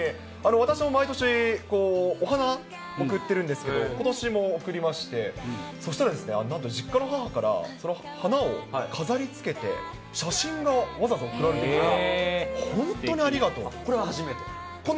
私も毎年、お花、贈ってるんですけど、ことしも贈りまして、そうしたらですね、なんと実家の母から、その花を飾りつけて、写真がわざわざ送られてきた、本当にありが初めて？